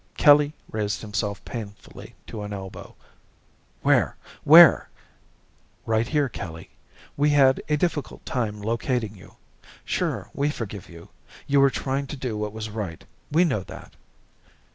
Kelly raised himself painfully to an elbow. "Where where?" "Right here, Kelly. We had a difficult time locating you. Sure, we forgive you. You were trying to do what was right. We know that."